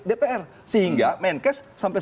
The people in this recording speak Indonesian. dpr sehingga menkes sampai